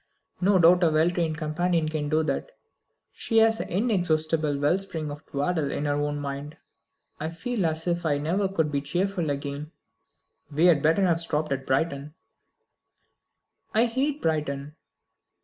No doubt a well trained companion can do that. She has an inexhaustible well spring of twaddle in her own mind. I feel as if I could never be cheerful again." "We had better have stopped at Brighton " "I hate Brighton!"